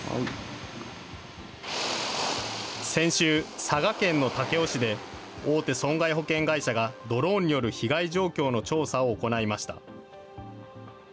先週、佐賀県の武雄市で、大手損害保険会社がドローンによる被害状況の調査を行いました。